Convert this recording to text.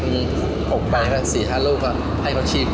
ผมไปกัน๔๕ลูกให้เขาชิม